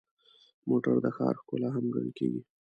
موټر د ښار ښکلا هم ګڼل کېږي.